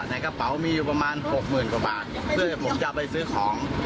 ในกระเป๋ามีอยู่ประมาณหกหมื่นกว่าบาทเพื่อผมจะเอาไปซื้อของ